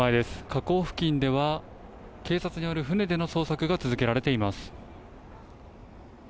河口付近では、警察による船での捜索が続けられています。